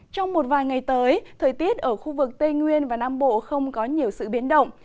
trong một vài ngày tới thời tiết ở khu vực tây nguyên và nam bộ không có nhiều sự biến động